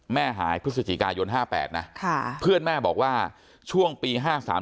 แม่หายพฤศจิกายน๕๘นะเพื่อนแม่บอกว่าช่วงปี๕๓